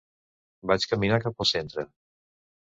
Vaig caminar cap al centre.